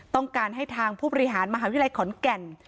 ต้องการให้ทางผู้บริหารมหาวิทยาลัยขอนแก่น